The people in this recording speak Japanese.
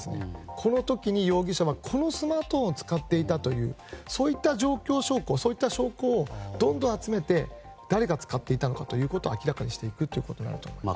この時に、容疑者はこのスマートフォンを使っていたというそういった証拠をどんどん集めて誰が使っていたのかということを明らかにしていくことになると思います。